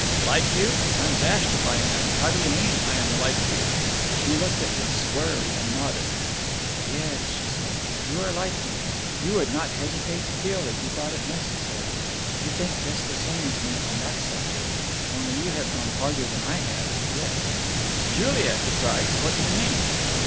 "Like you? I'm dashed if I am! How do you mean? I am like you?" She looked at him squarely, and nodded. "Yes," she said, "you are like me. You would not hesitate to kill if you thought it necessary. You think just the same as me on that subject. Only you have gone farther than I have yet." "Julia," he cried, "what do you mean?"